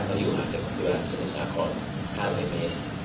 ก็อยู่หาจากคุณพิวัติศาสตร์ของ๕๐๐เมตร